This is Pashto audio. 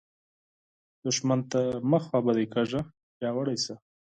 دښمن ته مه خفه کیږه، پیاوړی شه